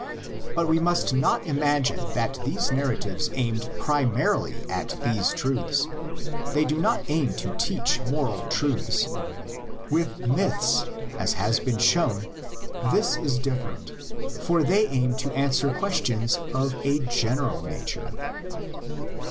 But we must not imag ine that these narratives aimed primarily at these truths; they do not aim to teach moral truths. With myths, as has been shown on pages 15 17, this is different, for they aim to answer questions of a general nature.